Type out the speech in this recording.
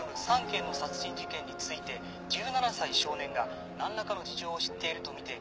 ３件の殺人事件について１７歳少年が何らかの事情を知っているとみて。